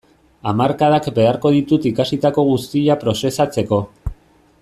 Hamarkadak beharko ditut ikasitako guztia prozesatzeko.